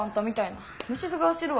虫ずが走るわ。